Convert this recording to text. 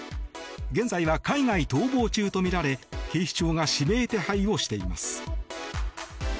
現在は海外逃亡中とみられ警視庁が指名手配をしています。